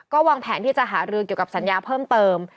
ก็วางแผนที่จะหารือเกี่ยวกับสัญญาเพิ่มเติม